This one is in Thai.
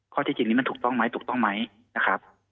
ที่จริงนี้มันถูกต้องไหมถูกต้องไหมนะครับ